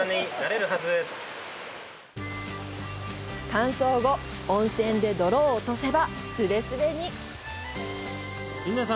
乾燥後、温泉で泥を落とせばすべすべに！